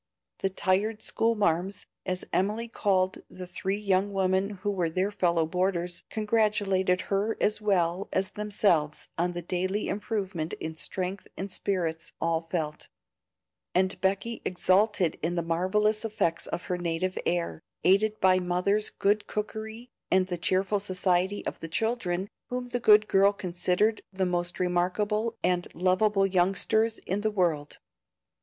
The tired "school marms," as Emily called the three young women who were their fellow boarders, congratulated her as well as themselves on the daily improvement in strength and spirits all felt; and Becky exulted in the marvellous effects of her native air, aided by mother's good cookery and the cheerful society of the children, whom the good girl considered the most remarkable and lovable youngsters in the world.